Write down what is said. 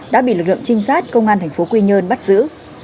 đã bị lực lượng trinh sát công an tp quy nhơn bắt giữ